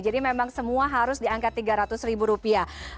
jadi memang semua harus di angka tiga ratus ribu rupiah